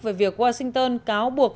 về việc washington cáo buộc